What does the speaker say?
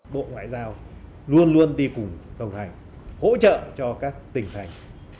bộ ngoại giao luôn luôn đi cùng đồng hành hỗ trợ cho các tỉnh thành